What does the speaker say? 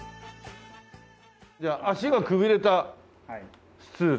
じゃあ脚がくびれたスツール。